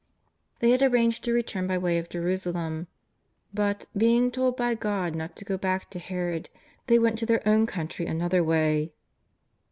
They had ar ranged to return by way of Jerusalem, but, being told by God not to go back to Herod, they went to their o^vn country another way.